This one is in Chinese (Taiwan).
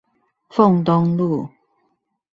鳳東路